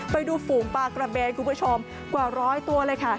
ไปดูฝูงปลากระเบนคุณผู้ชมกว่าร้อยตัวเลยค่ะ